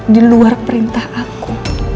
diluar perintah aku